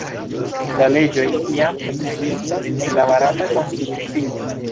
La leĝoj jam ekzistas en la barata konstitucio.